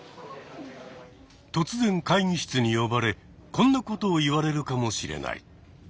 突然会議室に呼ばれこんなことを言われるかもしれない。